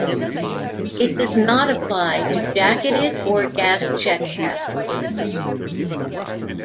It does not apply to jacketed or gas-check cast bullets.